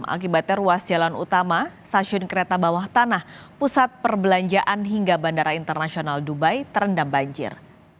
akibatnya ruas jalan utama stasiun kereta bawah tanah pusat perbelanjaan hingga bandara internasional dubai terendam banjir